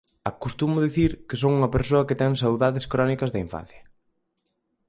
Acostumo a dicir que son unha persoa que ten saudades crónicas da infancia.